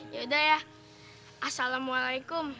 yaudah ya assalamualaikum